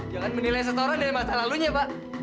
jangan menilai setoran dari masa lalunya pak